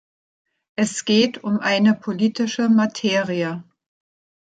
Es geht um eine politische Materie.